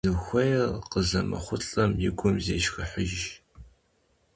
Зыхуейр къызэмыхъулӀэм и гум зешхыхьыж.